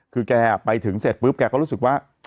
คือแกไปถึงเสร็จปุ๊บแกก็รู้สึกว่า